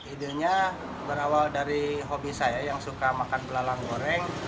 idenya berawal dari hobi saya yang suka makan belalang goreng